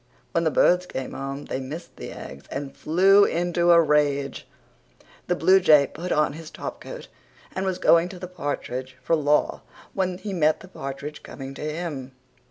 When the birds came home they missed the eggs and flew into a rage. The bluejay put on his topcoat and was going to the partridge for law when he met the partridge coming to him.